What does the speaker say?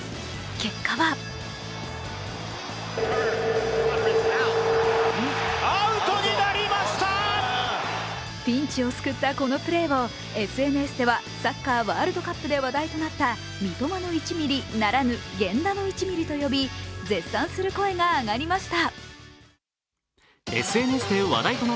結果はピンチを救ったこのプレーをＳＮＳでは、サッカーワールドカップで話題となった三笘の１ミリならぬ、源田の１ミリとさけび、絶賛する声が上がりました。